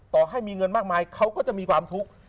ต่อให้มีเงินมากมายเขาก็จะมีความทุกข์